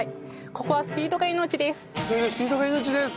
ここはスピードが命です。